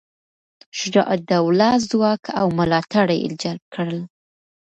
شجاع الدوله ځواک او ملاتړي جلب کړل.